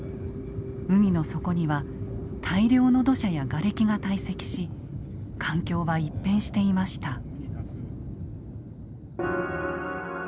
海の底には大量の土砂やガレキが堆積し環境は一変していました。